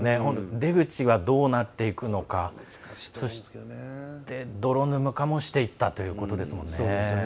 出口はどうなっていくのか泥沼化もしていったということですもんね。